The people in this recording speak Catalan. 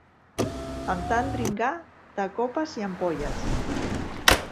Amb tan dringar de copes i ampolles...